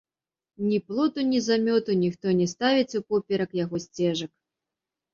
Ні плоту, ні замёту ніхто не ставіць упоперак яго сцежак.